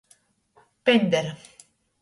Pendera.